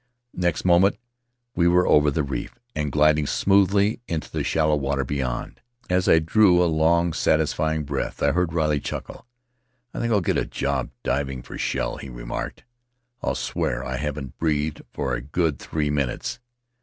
Next moment we were over the reef and gliding smoothly into the shallow water beyond. As I drew a long, satisfying breath I heard Riley chuckle. "I think I'll get a job diving for shell," he remarked. "I'll swear I haven't breathed for a good three minutes!"